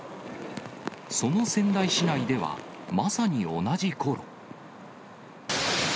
その仙台市内では、まさに同じころ。